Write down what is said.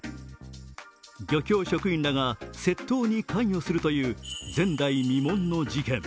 漁協職員らが窃盗に関与するという前代未聞の事件。